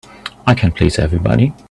I can't please everybody.